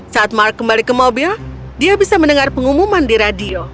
saat mark kembali ke mobil dia bisa mendengar pengumuman di radio